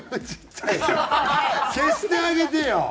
消してあげてよ！